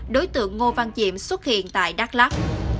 đối tượng ngô văn diệm xuất hiện tại đắk lắk